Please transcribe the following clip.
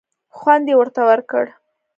خوند یې ورته ورکړ.